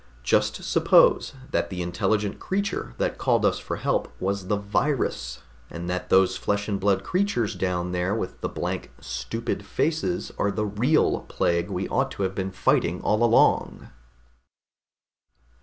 Just suppose that the intelligent creature that called us for help was the virus, and that those flesh and blood creatures down there with the blank, stupid faces are the real plague we ought to have been fighting all along!"